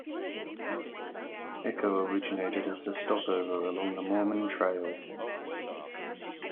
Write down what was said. Echo originated as a stopover along the Mormon trail.